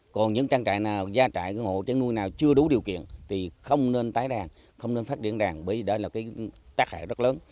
còn những trang trại nào gia trại hộ chăn nuôi nào chưa đủ điều kiện thì không nên tái đàn không nên phát điện đàn bởi vì đó là tác hại rất lớn